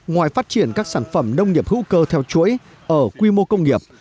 ngoài phát triển các sản phẩm nông nghiệp hữu cơ theo chuỗi ở quy mô công nghiệp